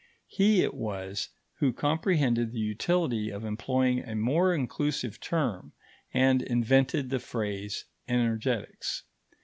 He it was who comprehended the utility of employing a more inclusive term, and invented the phrase energetics.